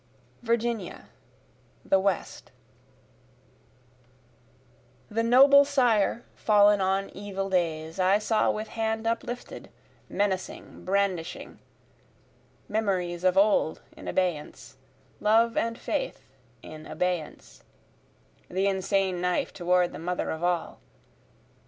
Virginia The West The noble sire fallen on evil days, I saw with hand uplifted, menacing, brandishing, (Memories of old in abeyance, love and faith in abeyance,) The insane knife toward the Mother of All.